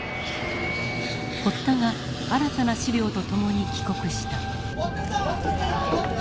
堀田が新たな資料と共に帰国した。